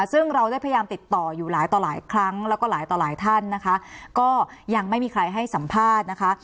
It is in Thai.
ซึ่งเราได้พยายามติดต่ออยู่หลายต่อหลายครั้งแล้วก็หลายต่อหลายท่านนะคะก็ยังไม่มีใครให้สัมภาษณ์นะคะ